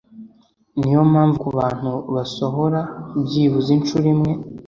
Niyo mpamvu ku bantu basohora byibuze inshuro imwe